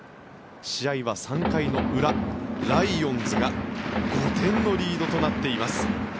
試合は３回の裏、ライオンズが５点のリードとなっています。